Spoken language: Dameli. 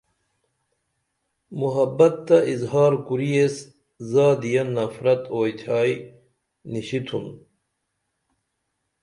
محبت تہ اظہار کُری ایس زادی یہ نفرت اوئی تھیائی نِشیتھُن